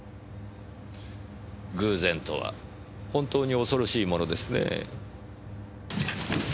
偶然とは本当に恐ろしいものですねぇ。